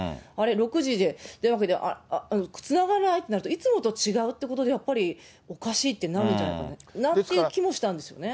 ６時で、あっ、つながらないってなると、いつもと違うってことで、やっぱりおかしいなってなるんじゃないかなっていう気もしたんですよね。